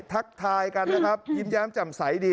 ทักทายกันนะครับยิ้มแย้มจำใสดี